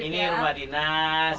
ini rumah dinas